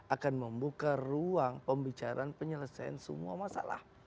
akan membuka ruang pembicaraan penyelesaian semua masalah